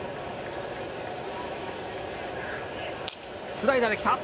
スライダーで来た！